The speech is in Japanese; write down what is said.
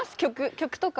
曲とか。